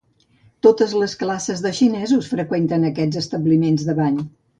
Totes les classes de xinesos freqüenten aquests establiments de bany.